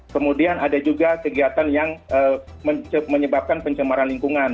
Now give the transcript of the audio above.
kemudian ada juga kegiatan yang menyebabkan pencemaran lingkungan